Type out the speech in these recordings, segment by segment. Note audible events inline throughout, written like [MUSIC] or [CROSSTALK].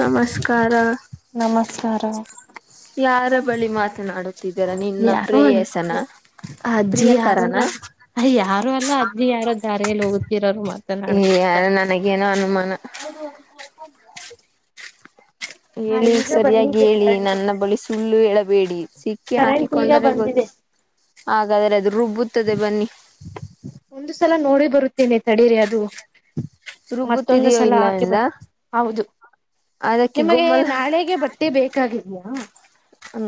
ನಮಸ್ಕಾರ ನಮಸ್ಕಾರ ಯಾರ ಬಳಿ ಮಾತನಾಡುತ್ತಿದ್ದೀರಾ ನಿನ್ನ ಯಾರೋ ಪ್ರೇಯಸನ ಅಜ್ಜಿ ಪ್ರಿಯಕರನ ಯಾರನ್ನ ಅ ಯಾರು ಅಲ್ಲ ಅಜ್ಜಿ ಯಾರ ದಾರಿಯಲ್ಲಿ ಹೋಗ್ತಿರಾರರು ಮತ್ತ ಯಾರು ನನಗೇನೋ ಅನುಮಾನ ಹಾ ಹೇಳಿ ಈಗ ಸರಿಯಾಗಿ ಬಂದಿದೆ ಹೇಳಿ ಕರೆಂಟ್ ನನ್ನ ಬಳಿ ಸುಳ್ಳು ಹೇಳಬೇಡಿ ಸಿಕ್ಕಿ ಕರೆಂಟ್ ಈಗ ಹಾಕಿಕೊಂಡರೆ ಗೊತ್ತು ಬಂದಿದೆ ಹಾಗಾದ್ರೆ ಅದು ರುಬ್ಬುತ್ತದೆ ಬನ್ನಿ ಒಂದು ಸಲ ನೋಡಿ ಬರುತ್ತೇನೆ ತಡೀರಿ ಅದು ಮತ್ತೊಂದು ರುಬ್ಬುತ್ತಿದೆಯೋ ಸಲ ಇಲ್ಲ ಹಾಕಿ ಎಂದ ಬರ್ ಹೌದು ಅದಕ್ಕೆ ನಿಮಗೆ ಗುಮ್ಮಲ್ ನಾಳೆಗೆ ಬಟ್ಟೆ ಬೇಕಾಗಿದಯಾ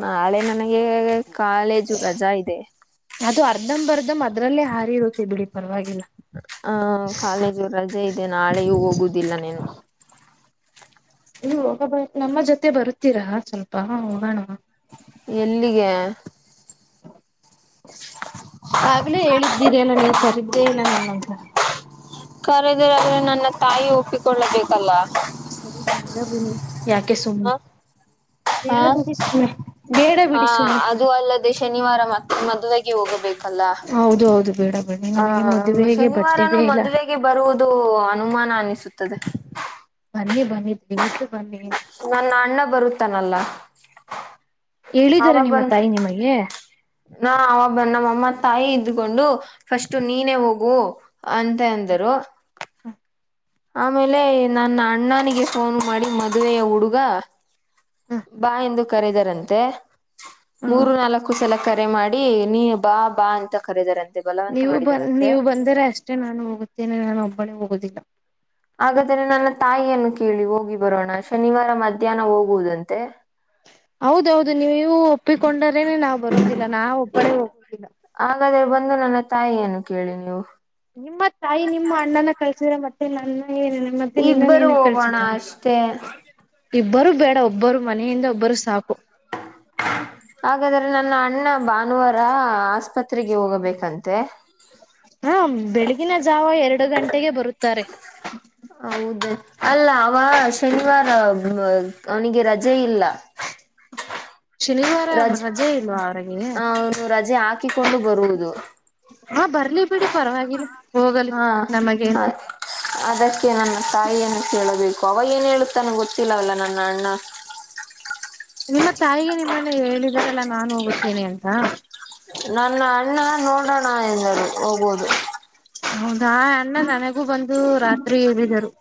ನಾಳೆ ನನಗೆ ಕಾಲೇಜು ರಜಾ ಇದೆ ಅರ್ದಮ್ ಬರ್ದಮ್ ಅದ್ರಲ್ಲೇ ಹಾರಿ ಇರುತ್ತೆ ಬಿಡಿ ಪರವಾಗಿಲ್ಲ ಹ ಕಾಲೇಜು ರಜೆ ಇದೆ ನಾಳೆಯೂ ಹೋಗುದಿಲ್ಲ ನೀನು ನೀ ಹೋಗ ನಮ್ಮ ಜೊತೆ ಬರುತ್ತೀರಾ ಸ್ವಲ್ಪ ಹೋಗೋಣ ಎಲ್ಲಿಗೆ [INAUDIBLE] ಆಗ್ಲೇ ಹೇಳಿದ್ದೀರಿ ಅಲ್ಲ ನೀವು ಕರೀದ್ದೇ ಇಲ್ಲ ನನ್ನಂತ ಕರೆದಿರಾದ್ರೆ ನನ್ನ ತಾಯಿ ಒಪ್ಪಿಕೊಳ್ಳಬೇಕಲ್ಲ ಸರಿ ಬಲ್ಲ ಬಮ ಯಾಕೆ ಹ ಸುಮ್ಮನೆ ಬೇಡ ಹಾ ಬಿಡಿ ಸುಮ್ಮನೆ ಬೇಡ ಹಾ ಬಿಡಿ ಸುಮ್ಮನೆ ಅದು ಅಲ್ಲದೆ ಶನಿವಾರ ಮತ್ತೆ ಮದುವೆಗೆ ಹೋಗಬೇಕು ಹೌದ ಹೌದು ಬೇಡ ಬಿಡಿ ಆ ನನಗೆ ಮದುವೆಗೆ ಬಟ್ಟೆ ಶನಿವಾರನುೂ ಇಲ್ಲ ಮದುವೆಗೆ ಬರುವುದು ಅನುಮಾನ ಅನಿಸುತ್ತದೆ ಹ ಮಷ ನನ್ನ ಅಣ್ಣ ಬರುತ್ತಾನಲ್ಲ ಹೇಳಿದಾರೆ ಅವವಾಗ ನಿಮ್ಮ ಬಂದ ತಾಯಿ ನಿಮಗೆ ನಾ ಅವಾಗ ಬಂದ ನಮ್ಮ ಮ್ಮ ತಾಯಿ ಇದ್ಕೊಂಡು ಫಸ್ಟ್ ನೀನೇ ಹೋಗು ಅಂತ ಅಂದರು ಆಮೇಲೆ ನನ್ನ ಅಣ್ಣನಿಗೆ ಫೋನ್ ಮಾಡಿ ಮದುವೆಯ ಹುಡುಗ ಬಾ ಎಂದು ಕರೆದರಂತೆ ಹ ಮೂರು ನಾಲ್ಕು ಸಲಕ ಕರೆ ಮಾಡಿ ನೀ ಬಾ ಬಾ ಅಂತ ಕರೀದಾರಂತೆ ನೀವು ಬಂದ ನೀವು ಬಂದರೆ ಅಷ್ಟೇ ನಾನು ಹೋಗುತ್ತೇನೆ ನಾನು ಒಬ್ಬಳಿ ಹೋಗೋುದಿಲ್ಲ ಹಾಗಾದ್ರೆ ನನ್ನ ತಾಯಿಯನ್ನು ಕೇಳಿ ಹೋಗಿ ಬರೋಣ ಶನಿವಾರ ಮಧ್ಯಾಹ್ನ ಹೋಗುವುದಂತೆ ಹೌದೌದು ನೀವು ಒಪ್ಪಿಕೊಂಡರೇನೆ ನಾವ್ ಬರೋದಿಲ್ಲ ನಾ ಒಬ್ಬಳೇ ಹೋಗೋದಿಲ್ಲ ಂದ್ರ ನನ್ನ ತಾಯಿ ಏನು ಕೇಳಿ ನೀವು ನಿಮ್ಮ ತಾಯಿ ನಿಮ್ಮ ಅಣ್ಣನ ಕಲ್ಸಿದ್ರ ಮತ್ತೆ ನನ್ನ ನ ಮತ್ತೆ ನಿನ್ನ ಇಬ್ಬರು ಏನ ಹೋಗೋಣ ಕಳ್ಸಿದ್ದಾರೆ ಅಷ್ಟೇ ಇಬ್ಬರು. ಬೇಡ ಒಬ್ಬರು ಮನೆಯಿಂದ ಒಬ್ಬರು ಸಾಕು. ಹಾಗಾದ್ರೆ ನನ್ನ ಅಣ್ಣ ಬ. ಅಾನುವಾರ ಆಸ್ಪತ್ರೆಗೆ ಹೋಗಬೇಕಂತೆ ಹಾ ಬೆಳಗಿನ ಜಾವ ಎರಡು ಗಂಟೆಗೆ ಬರುತ್ತಾರೆ ಹೌದ ಅಲ್ಲ ಅವ ಶನಿವಾರ ಅವನಿಗೆ ರಜೆ ಪಜೆ ಇಲ್ಲ ಶನಿವಾರ ರಜೆ ಇಲ್ವಾ ಅವರಿಗೆ. ಅವನು ರಜೆ ಹಾಕಿಕೊಂಡು ಬರುವುದು ಹಾ ಬರ್ಲಿ ಬಿಡಿ ಪರವಾಗಿಲ್ಲ ಹೋಗಲಿ ಹಾ ನಮಗೆ ಹ ಅದಕ್ಕೆ ನನ್ನ ತಾಯಿಯನ್ನು ಕೇಳಬೇಕು ಪವ ಏನ್ ಹೇಳುತ್ತನ್ ಗೊತ್ತಿಲ್ಲ ಅಲ್ಲಾ ನನ್ನ ಅಣ್ಣ ನಿಮ್ಮ ತಾಯಿಗೆ ನಿಮ್ಮನ್ನೆ ಹೇಳಿದ್ರಲ್ಲಾ ನಾನ್ ಹೋಗುತ್ತೇನಿ ಅಂತ ನನ್ನ ಅಣ್ಣ ನೋಡೋಣ ಎಂದರು ಹೋಗೋದು. ಹೌದಾ ಅಣ್ಣ ನನಗೂ ಬಂದು ರಾತ್ರಿ ಹೇಳಿದರು.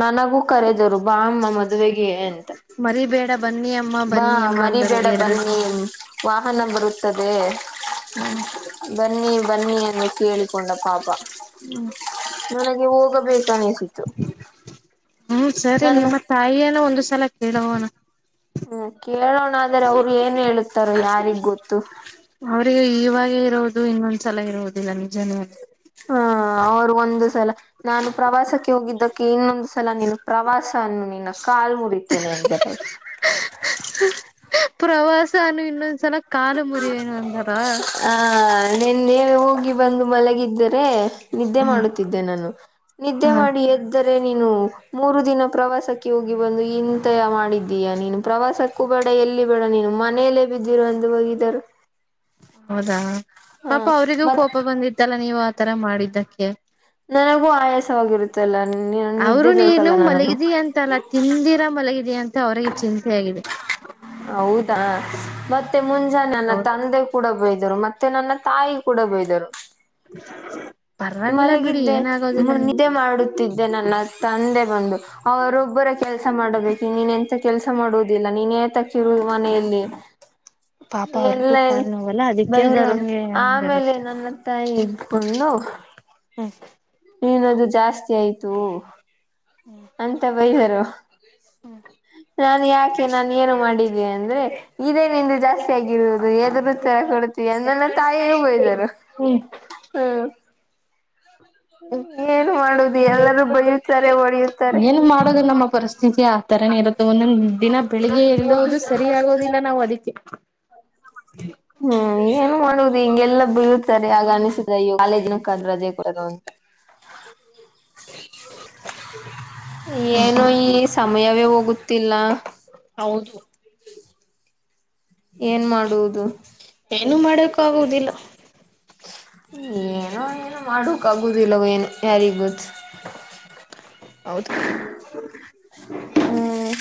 ನನಗೂ ಕರೆದರು ಬಾ ಅಮ್ಮ ಮದುವೆಗೆ ಅಂತ. ಮರಿಬೇಡ ಬನ್ನಿ ಅಮ್ಮ ಬಾ ಬನ್ನಿ ಅಮ್ಮ ಮರಿ ಅಂದರು ಬೇಡ ಎರಡು ಬನ್ನಿ. ಸಲ. ವಾಹನ ಬರುತ್ತದೆ ಹ್ಮ್ ಬನ್ನಿ ಬನ್ನಿ ಅಂತ ಕೇಳ. ಕೊಂಡ ಪಾಪ ನನಗೆ ಹ. ಹ್ಮ ಸರಿ ನನ್ನ ನಿಮ್ಮ ತಾಯಿಯನ ಒಂದ ಸಲ ಕೇಳೋಣ. ಹ್ಮ ಕೇಳೋಣ. ಅಂದ್ರೆ ಅವ್ರು ಏನ್ ಹೇಳುತ್ತಾರ ಯಾರಿಗ್ ಗೊತ್ತು. ಚಲ ಇರುವುದಿಲ್ಲ ನಿಜನೇಲ್ಲ. ಹಾ ಅವ್ರು ಒಂದು ಸಲ ನಾನು ಪ್ರವಾಸಕ್ಕೆ ಹೋಗಿದ್ದ. ಇನ್ನೊಂದ್ ಸಲ ನೀನು ಪ್ರವಾಸನ್ನು ನಿನ್ನ ಕಾಲು ಮುರಿತೇನೆ ಅಂದಾರೆ ಅವರು. ಪ್ರವಾಸಾನ ಇನ್ನೊ ಸಲ ಕಾಲು ಮುರಿವನು ಅಂದಾರಾ. ಆ ನಿನ್ನೆ ಹೋಗಿ ಬಂದು ಮಲಗಿದ್ದರೆ. ನಿದ್ದೆ ಮಾಡುತ್ತಿದ್ದೆ ನಾನು ನಿದ್ದೆ ಹಾ ಮಾಡಿ ಎದ್ದ. ರೆ ನೀನು ಮೂರು ದಿನ ಪ್ರವಾಸಕ್ಕೆ ಹೋಗಿ ಬಂದು ಇಂತ ಮಾಡಿದ್ದೀಯಾ ನೀನು ಪ್ರವಾಸಕ್ಕೂ ಬ. ಎಲ್ಲಿ ಬೇಡ ನೀನು ಮನೆಯಲ್ಲೇ ಬಿದ್ದಿರು ಅಂತ ಬೈದರು. ಹೌದಾ ಹ ಪಾಪ ಅವರಿಗೂ ಮತ್ ಕೋಪ ಬಂದಿತ್ತಲ್ಲ ನೀವು ಆತರ ಮಾಡಿದ್ದಕ್ಕೆ. ನನಗೂ ಆಯಾಸವಾಗಿರುತ್ತಲ್ಲ ಅವರು ನಿದ್ದೆ ನೀನು ಬೇಕಲ್ಲ ನನಗೂ ಮಲಗಿದಿ ಅಂತಲ್ಲ ತಿಂದಿರ. ಮಲಗಿದೆಯಾ ಅಂತ ಅವರಿಗೆ ಚಿಂತೆೆಯಗಾಗಿದೆ. ಹೌದಾ ಮತ್ತೆ ಮುಂಜಾನನ್ನ ಹೌದು ತಂದೆ ಕೂಡ ಬ. ಮತ್ತೆ ನನ್ನ ತಾಯಿ ಕೂಡ ಬಯ್ದರು. [INAUDIBLE] ಬಿಡಿ ಮಲಗಿದ್ದೆ ಏನಾಗೋದಿಲ್ಲ ನೀನ್ ಮುನ್ನಿದ್ದೆ ಮಾಡ. ದೇ ನನ್ನ ತಂದೆ ಬಂದು ಅವರೊಬ್ಬರ ಕೆಲಸ ಮಾಡಬೇಕು ನೀನ್ ಎಂತ ಕೆಲಸ ಮಾಡುವುದಿಲ್ಲ. ನೀನೇ ತಕ್ಕಿರುದು ಮನೆಯಲ್ಲಿ. [INAUDIBLE] ಪಾಪ ಎಲ್ಲ ಅವ್ರಿಗೂ ಕಾಲ ನೋವಲ್ಲ ಅದಕ್ಕೆ ಅವರು ಬೈದರು ಹಂಗೆ ಆಮೇಲೆ ಅಂದರಷ್ಟೇ. ನನ್ನ ತಾಯಿ ಇದ್ಕೊಂಡು ಏನದು ಜಾಸ್ತಿ ಆಯ್ತು ಅಂತ ಬೈದಾರ. ಹ್ಮ. ನಾನು ಯಾಕೆ ನಾನು ಏನು ಮಾಡಿದ್ದಿದೆ ಅಂದ್ರೆ ಇದೇ ನಿಂದು ಜಾಸ್ತಿ ಆಗಿರುವುದು ಎದುರು ತರ ಕೊಡ. ಎಂದಲ್ಲ ತಾಯಿಯೂ ಬಯ್ದಾರ ಹ್ಮ್ ಹ್ಮ. ಹ್ಮ್ ಹ್ಮ. ಹೊಡೆಯುತ್ತಾರೆ ಏನ್ ಮಾಡೋದು ನಮ್ಮ ಪರಿಸ್ಥಿತಿ ಆತರನ ಇರತ್ತ ಒಂದೊ. ದಿನ ಬೆಳಿಗ್ಗೆ ಎಲ್ಲೋದು ಸರಿ ಆಗೋದಿಲ್ಲ ನಾವು ಅದಕ್ಕೆ. ಹ್ಮ್ ಏನು ಮಾಡುವುದು ಹಿಂಗೆಲ್ಲ ಬ. ಸ ಆಗ ಅನಿಸುದ ಕಾಲೇಜ್ನ ಕಾದ ರಜೆ ಕೊಡದು. [INAUDIBLE] ಏನು ಈ ಸಮಯವೇ ಹೋಗುತ್ತಿಲ್ಲ. ಹೌದು ಏನ್ ಮಾಡುವುದು. ಏನು ಮಾಡಕ್ಕ ಆಗುದಿಲ್ಲ ಏನೋ ಏನೋ ಮಾಡಕ್ ಆಗುದಿಲ್ಲವೊ ಯಾರಿಗೆ ಗೊತ್ತು ಹೌದು. ಹ್ಮ್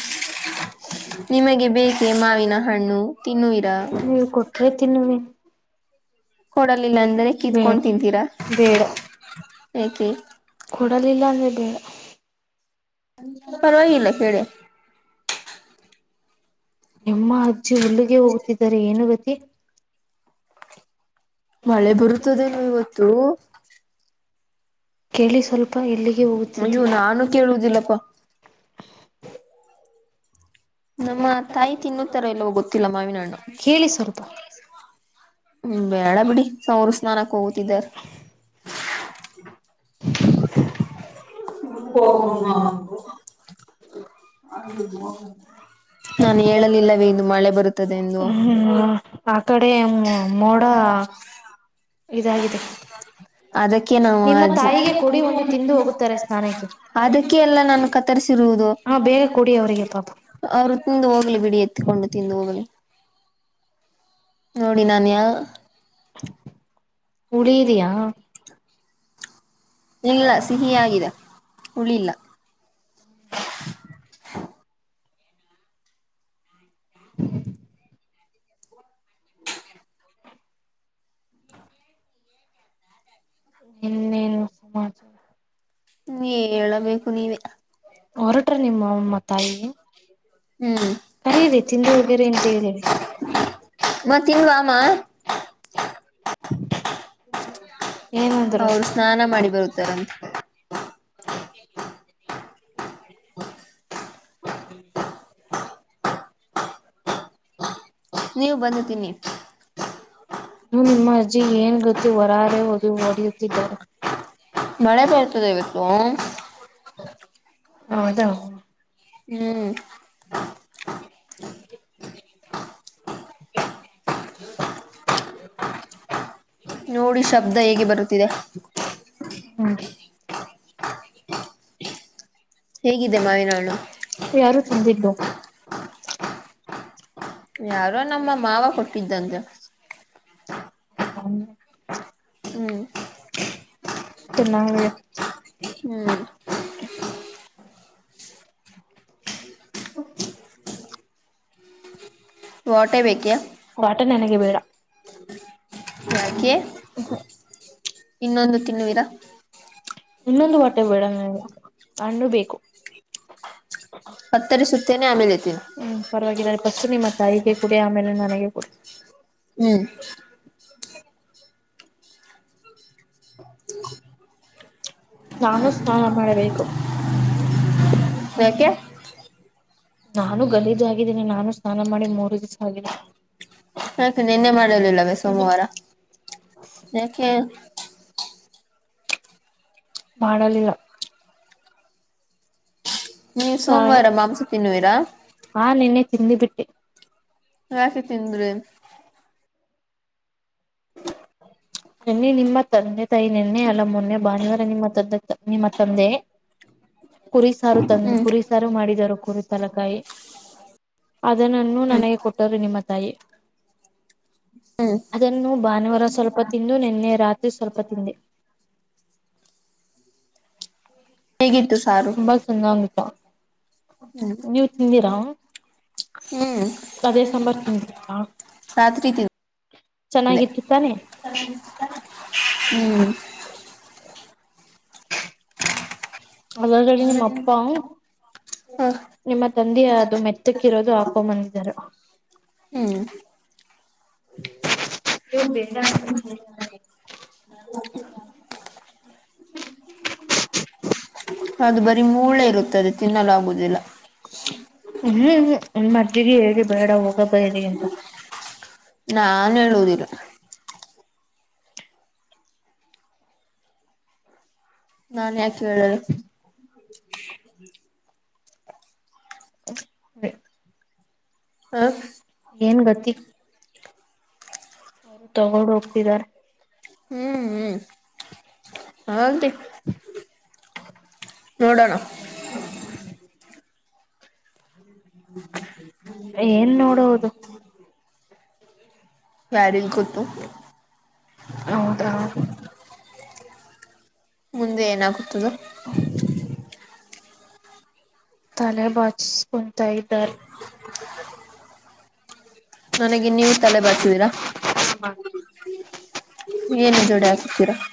ನಿಮಗೆ ಬೇಕೆ ಮಾವಿನ ಹಣ್ಣು ತಿನ್ನುವಿರ ನೀವು ಕೊಟ್ರೆ ತಿನ್ನುವೆ ಕೊಡಲಿಲ್ಲ ಅಂದ್ರೆ ಬೇಡ ಕಿತ್ಕೊಂಡ್ ತಿಂತೀರಾ. ಬೇಡ ಏಕೆ ಕೊಡಲಿಲ್ಲ ಅಂದ್ರ ಬೇಡಾ. ಪರವಾಗಿಲ್ಲ ಕೇಳೆ. ಎಮ್ಮ ಅಜ್ಜಿ ಹುಲ್ಲಗೆ ಹೋಗು ತಿದ್ದರೆ ಏನು ಗತಿ. ಮಳೆ ಬರುತ್ತದೇನು ಇವತ್ತು. ಕೇಳಿ ಸ್ವಲ್ಪ ಎಲ್ಲಿಗೆ ಹೋಗುತ್ತಿದ್ದಿ ಅಯ್ಯೋ ನಾನು ಕೇಳುವುದಿಲ್ಲಪ್ಪಾ ನಮ್ಮ ತಾಯಿ ತಿನ್ನುತ್ತಾರ ಇಲ್ವೋ ಗೊತ್ತಿಲ್ಲ ಮಾವಿನಣ್ಣು ಕೇಳಿ ಸ್ವಲ್ಪ ಹ್ಮ ಬೇಡ ಬಿಡಿ ಅವ್ರು ಸ್ನಾನಕ್ಕೆ ಹೋಗುತಿದಾರೆ [INAUDIBLE] [UNINTELLIGIBLE] ನಾನು ಹೇಳಲಿಲ್ಲವೇ ಇಂದು ಮಳೆ ಬರುತ್ತದೆ ಎಂದು ಹ್ಮ್ ಹ ಇದಾಗಿದೆ ಅದಕ್ಕೆ ನಾವು ನಿಮ್ಮ ಅಜ್ಜಿ ತಾಯಿಗೆ ಕೊಡಿ ಒಂದು ತಿಂದು ಹೋಗುತ್ತಾರೆ ಸ್ನಾನ ಅದಕ್ಕೆ ಅಲ್ಲ ನಾನು ಕತ್ತರ್ರಿಸಿರುವುದು ಹಾ ಬೇಗ ಕೊಡಿ ಅವರಿಗೆ ಪಾಪ ಅವ್ರು ತಿಂದು ಹೋಗ್ಲಿ ಬಿಡಿ ಎತ್ತಿಕೊಂಡು ತಿಂದು ಹೋಗ್ಲಿ ನೋಡಿ ನಾನು ಹುಳಿ ಇದಿಯಾ ಇಲ್ಲ ಸಿಹಿ ಆಗಿದೆ ಹುಳಿ ಇಲ್ಲ ಇನ್ನೇನು ಸಮಾಚಾರ ಹೇಳಬೇಕು ನೀವೇ ಹೊರಟ್ರ ನಿಮ್ಮಮ್ಮ ತಾಯಿ ಹ್ಮ್ ಕರೀರಿ ತಿಂದು ಹೋಗಿರಿ ಅಂತ ಹೇಳಿ ಅಮ್ಮ ತಿನ್ನು ಬಾ ಅಮ್ಮ [INAUDIBLE] ಏನಂದ್ರು ಅವರು ಸ್ನಾನ ಮಾಡಿ ಬರುತ್ತಾರಂತೆ. ನೀವು ಬನ್ನಿ ತಿನ್ನಿ ಹ್ಮ್ಮ್ ನಿಮ್ಮ ಅಜ್ಜಿ ಏನ್ ಗೊತ್ತ ಹೊರಗಡೆ ಹೋಗಿ ಹೊಡಿಯುತ್ತಿದಾರೆ ಮಳೆ ಬರ್ತದೆ ಇವತ್ತು ಹೌದ ಹ್ಮ್ [INAUDIBLE] ನೋಡಿ ಶಬ್ದ ಹೇಗೆ ಬರುತ್ತಿದೆ ಹ್ಮ್ ಹೇಗಿದೆ ಮಾವಿನಹಣ್ಣು ಯಾರು ತಂದಿದ್ದು ಯಾರೋ ನಮ್ಮ ಮಾವ ಕೊಟ್ಟಿದ್ದಂತೆ [INAUDIBLE] ಹ್ಮ್ ತಿನ್ನಗೆ ಆಯ್ತು ಹ್ಮ್ ವಾಟೆ ಬೇಕೆ ವಾಟೆ ನನಗೆ ಬೇಡ ಯಾಕೆ ಇನ್ನೊಂದು ತಿನ್ನುವೀರ ಇನ್ನೊಂದು ವಾಟೆ ಬೇಡ ನನಗೆ ಹಣ್ಣು ಬೇಕು ಕತ್ತರಿಸುತ್ತೇನೆ ಆಮೇಲೆ ತಿನ್ನು ಹ್ಮ್ ಪರವಾಗಿಲ್ಲ ಫಸ್ಟ್ ನಿಮ್ಮ ತಾಯಿಗೆ ಕೊಡಿ ಆಮೇಲೆ ನನಗೆ ಕೊಡಿ ಹ್ಮ್ ನಾನು ಸ್ನಾನ ಮಾಡಬೇಕು ಯಾಕೆ ನಾನು ಗಲಿದು ಆಗಿದ್ದೀನಿ ನಾನು ಸ್ನಾನ ಮಾಡಿ ಮೂರು ದಿವಸ ಆಗಿಲ್ಲ ಯಾಕೆ ನಿನ್ನೆ ಮಾಡಲಿಲ್ಲವೇ ಹ್ಮ ಸೋಮವಾರ ಯಾಕೆ ಮಾಡಲಿಲ್ಲ ನೀವು ಸಾಯ ಸೋಮವಾರ ಮಾಂಸ ತಿನ್ನುವಿರಾ ಹಾ ನಿನ್ನೆ ತಿಂದಿಬಿಟ್ಟೆ ಯಾಕೆ ತಿಂದ್ರಿ [INAUDIBLE] ನನ್ನೆ ನಿಮ್ಮ ತಂದೆ ತಾಯಿ ನೆನ್ನೆ ಅಲ್ಲ ಮೊನ್ನೆ ಭಾನುವಾರ ನಿಮ್ಮ ತಂದೆ ನಿಮ್ಮ ತಂದೆ ಕುರಿಸಾರು ತಂದ ಹ್ಮ್ ಕುರಿಸಾರು ಮಾಡಿದರು ಕುರಿ ತಲಕಾಯಿ ಅದನ್ನನ್ನುೂ ನನಗೆ ಕೊಟ್ಟರು ನಿಮ್ಮ ತಾಯಿ ಹ್ಮ್ ಅದನ್ನು ಭಾನುವಾರ ಸ್ವಲ್ಪ ತಿಂದು ನಿನ್ನೆ ರಾತ್ರಿ ಸ್ವಲ್ಪ ತಿಂದೆ ಹೇಗಿ ತುಂಬಾ ಚೆನ್ನಾಗಿ ಆಯ್ತೆ ಹ್ಮ್ ನೀವು ತಿಂದಿರಾ ಹ್ಮ್ ಅೇ ಸಂಬರ್ಿಸಿದ್ದಿಯಾ ರಾತ್ರಿ ತಿಂದೆ ಚೆನ್ನಾಗಿತ್ತು ತಾನೆ ಹ್ಮ್ ಅ ಕಡಿ ನಿಮ್ಮ ಅಪ್ಪಾ ಹಾ ನಿಮ್ಮ ತಂದೆ ಅದು ಮೆತ್ತಕ್ಕಿರೋದು ಹಾಕೊಂಬಂದರು ಹ್ಮ್ ನೀವು ಬೇಡ ಹ ಅದು ಬರೀ ಮೂಳೆ ಇರುತ್ತದೆ ತಿನ್ನಲುಾಗುವುದಿಲ್ಲ ಹ್ಮ್್ಮ ಮರ್್ಜಿಗೆ ಹೇಳಿ ಬೇಡ ಹೋಗ ಬೇರಿ ಎಿಂದ ನಾನ್ ಹೇಳುದಿಿಲ್ಲ ನಾನ್ ಯಾಕೆ ಹೇಳರು ್ಮ ಹಾ ಏನ್ ಗತಿ ಅವರು ತಗೊಂಡು ಹೋಗ್ತಿದ್ದಾರೆ ಹಾದ ನೋಡೋಣ ಏನ್ ನೋಡೋದು ವ್ಯಾರಲ್ ಕುತು ಹೌದಾ ಮುಂದೆ ಏನಾಗದ ತಾಲಬ ಕುಂಂತಾಯ ದರ್ ನನಗೆ ನೀವು ತಲೆ ಬಾಚುದಿರಾ ಹ್ಮ ಏನು ಜೋಡೆ ಹಾಕತೀರಾ